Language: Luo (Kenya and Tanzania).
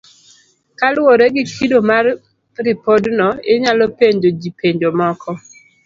Kaluwore gi kido mar ripodno, inyalo penjo ji penjo moko,